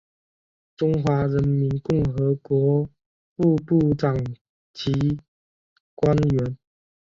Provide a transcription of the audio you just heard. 中华人民共和国副部长级官员。